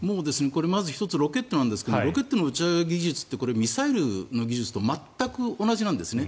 まず１つロケットなんですがロケットの打ち上げ技術ってミサイルの技術と全く同じなんですね。